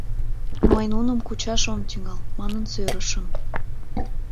Мый нуным кучаш ом тӱҥал, манын сӧрышым.